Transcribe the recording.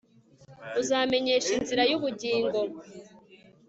uzamenyesha inzira y'ubugingo